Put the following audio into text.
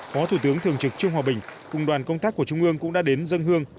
phó thủ tướng thường trực trương hòa bình cùng đoàn công tác của trung ương cũng đã đến dân hương